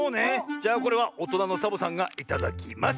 じゃあこれはおとなのサボさんがいただきます。